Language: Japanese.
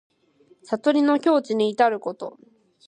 悟りの境地にいたること。